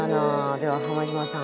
では浜島さん